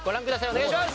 お願いします！